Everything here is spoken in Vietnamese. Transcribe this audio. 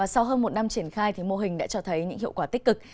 sau hơn một năm triển khai mô hình đã cho thấy những hiệu quả tích cực